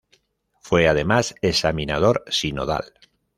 Fue además examinador sinodal.